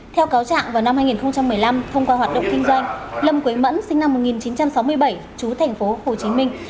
theo cáo trạng vào năm hai nghìn một mươi năm thông qua hoạt động kinh doanh lâm quế mẫn sinh năm một nghìn chín trăm sáu mươi bảy chú thành phố hồ chí minh